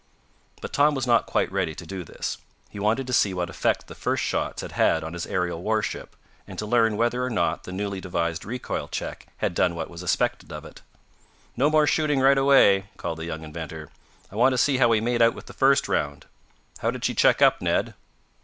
But Tom was not quite ready to do this. He wanted to see what effect the first shots had had on his aerial warship, and to learn whether or not the newly devised recoil check had done what was expected of it. "No more shooting right away," called the young inventor. "I want to see how we made out with the first round. How did she check up, Ned?"